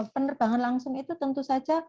penerbangan langsung itu tentu saja